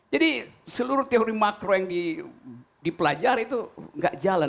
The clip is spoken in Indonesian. jadi seluruh teori makro yang dipelajari itu gak jalan